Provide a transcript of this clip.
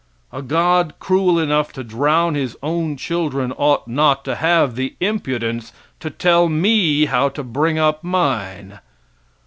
A God cruel enough to drown His own children ought not to have the impudence to tell me how to bring up mine.